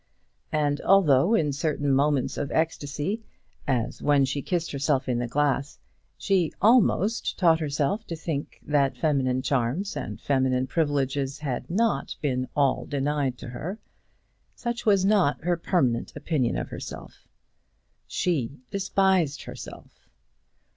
And although in certain moments of ecstasy, as when she kissed herself in the glass, she almost taught herself to think that feminine charms and feminine privileges had not been all denied to her, such was not her permanent opinion of herself. She despised herself.